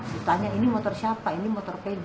ditanya ini motor siapa ini motor pj